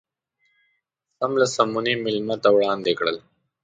سم له سمونې مېلمه ته وړاندې کېدل.